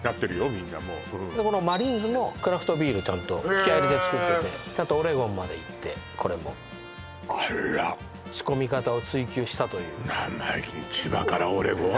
みんなもうマリーンズもクラフトビールちゃんと気合い入れてつくっててちゃんとオレゴンまで行ってこれもあら仕込み方を追求したという生意気に千葉からオレゴン？